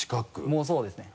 もうそうですね。